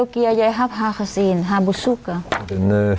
เขาเจอกันกี่ครั้ง